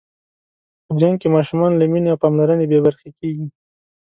په جنګ کې ماشومان له مینې او پاملرنې بې برخې کېږي.